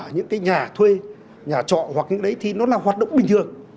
những cái nhà thuê nhà trọ hoặc những đấy thì nó là hoạt động bình thường